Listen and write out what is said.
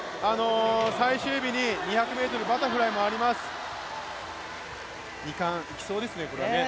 最終日に２００ｍバタフライもあります、２冠いきそうですね。